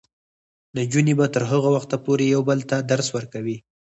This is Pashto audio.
نجونې به تر هغه وخته پورې یو بل ته درس ورکوي.